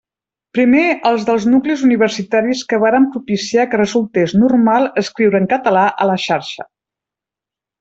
Primer els dels nuclis universitaris que varen propiciar que resultés normal escriure en català a la xarxa.